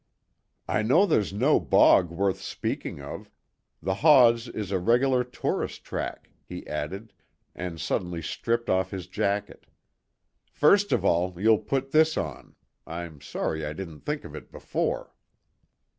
"I know there's no bog worth speaking of; the Hause is a regular tourist track," he added, and suddenly stripped off his jacket. "First of all, you'll put this on; I'm sorry I didn't think of it before."